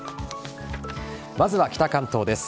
まずは北関東です。